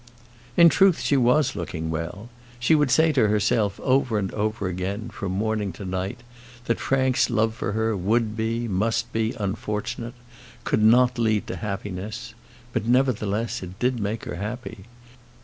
In truth, she was looking well. She would say to herself over and over again, from morning to night, that Frank's love for her would be, must be, unfortunate; could not lead to happiness. But, nevertheless, it did make her happy.